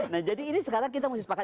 nah jadi ini sekarang kita mesti sepakat